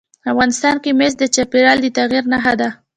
افغانستان کې مس د چاپېریال د تغیر نښه ده.